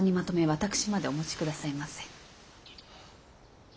私までお持ち下さいませ。